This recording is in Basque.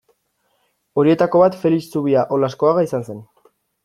Horietako bat Felix Zubia Olaskoaga izan zen.